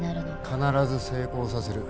必ず成功させる。